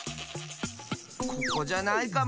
ここじゃないかも。